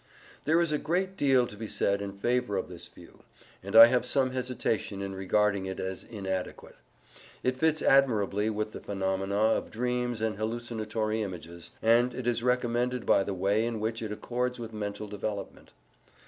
There is a great deal to be said in favour of this view, and I have some hesitation in regarding it as inadequate. It fits admirably with the phenomena of dreams and hallucinatory images, and it is recommended by the way in which it accords with mental development.